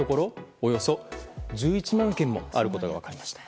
およそ１１万件もあることが分かりました。